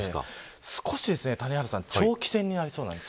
少し、谷原さん長期戦になりそうなんです。